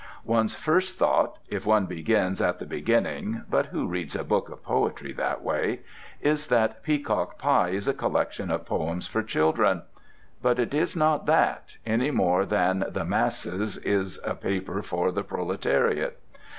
One's first thought (if one begins at the beginning, but who reads a book of poetry that way?) is that "Peacock Pie" is a collection of poems for children. But it is not that, any more than "The Masses" is a paper for the proletariat.